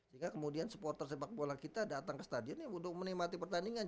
sehingga kemudian supporter sepak bola kita datang ke stadion untuk menikmati pertandingan